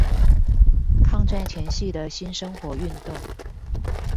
抗戰前夕的新生活運動